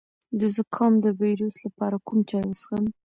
د زکام د ویروس لپاره کوم چای وڅښم؟